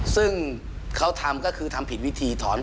ซึ่งเขาทำก็คือทำผิดวิธีถอน